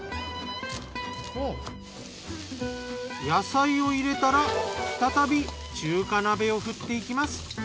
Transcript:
野菜を入れたら再び中華鍋を振っていきます。